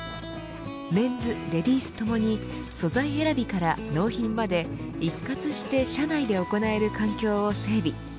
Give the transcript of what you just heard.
メンズ、レディースともに素材選びから納品まで一括して社内で行える環境を整備。